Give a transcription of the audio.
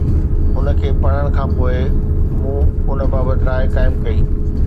ان کي پڙهڻ کان پوءِ مون ان بابت راءِ قائم ڪئي